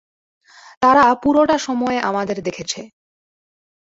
তারা পুরোটা সময় আমাদের দেখেছে।